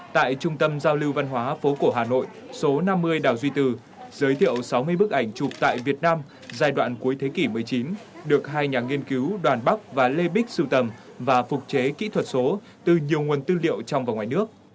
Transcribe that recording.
tại trung tâm giao lưu văn hóa phố cổ hà nội số năm mươi đào duy từ giới thiệu sáu mươi bức ảnh chụp tại việt nam giai đoạn cuối thế kỷ một mươi chín được hai nhà nghiên cứu đoàn bắc và lê bích sưu tầm và phục chế kỹ thuật số từ nhiều nguồn tư liệu trong và ngoài nước